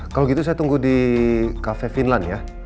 kalau gitu saya tunggu di cafe finland ya